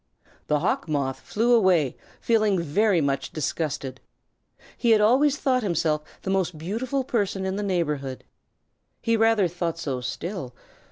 The Hawk Moth flew away feeling very much disgusted. He had always thought himself the most beautiful person in the neighborhood. He rather thought so still.